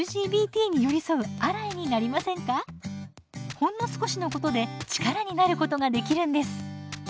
ほんの少しのことで力になることができるんです。